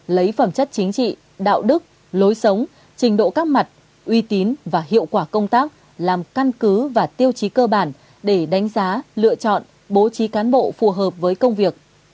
lấy phẩm chất chính trị đạo đức lối sống trình độ các mặt uy tín và hiệu quả công tác làm căn cứ và tiêu chí cơ bản để đánh giá lựa chọn bố trí cán bộ phù hợp với công việc